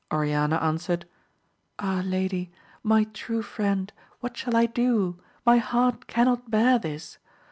Oriana answered, Ah, lady, my true friend, what shall I do, my heart cannot hear this.